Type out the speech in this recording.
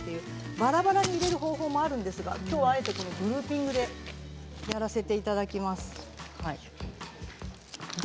ばらばらに入れる方法もあるんですけれどもきょうはあえてグルーピングでやらせていただいています。